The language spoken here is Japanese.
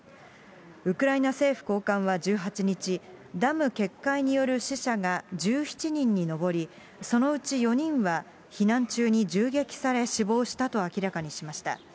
ウクライナ政府高官は１８日、ダム決壊による死者が１７人に上り、そのうち４人は避難中に銃撃され、死亡したと明らかにしました。